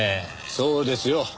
そうですよ。